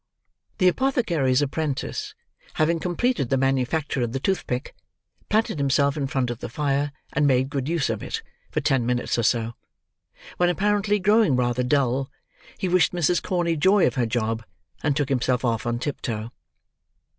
The apothecary's apprentice, having completed the manufacture of the toothpick, planted himself in front of the fire and made good use of it for ten minutes or so: when apparently growing rather dull, he wished Mrs. Corney joy of her job, and took himself off on tiptoe.